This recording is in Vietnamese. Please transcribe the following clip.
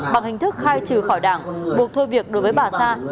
bằng hình thức khai trừ khỏi đảng buộc thôi việc đối với bà sa